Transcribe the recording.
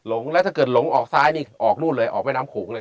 หลงแล้วถ้าเกิดหลงออกซ้ายนี่ออกนู่นเลยออกแม่น้ำโขงเลย